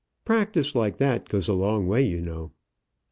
A practice like that goes a long way, you know."